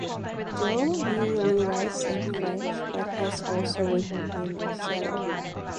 Diouf usually writes in French but has also written in Serer.